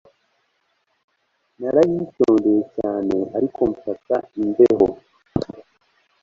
Nariyitondeye cyane ariko mfata imbeho